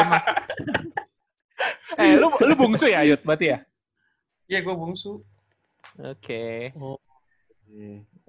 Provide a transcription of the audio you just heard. jadi anak bungsu bisa dapat duit sendiri dari sma udah lama